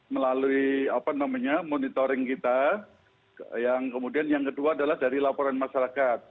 melalui monitoring kita yang kedua adalah dari laporan masyarakat